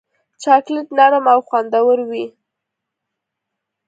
چاکلېټ نرم او خوندور وي.